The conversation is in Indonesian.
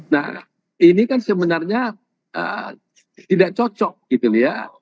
nah ini kan sebenarnya tidak cocok gitu loh ya